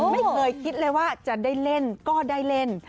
ไม่เคยคิดเลยว่าจะได้เล่นก็ได้เล่น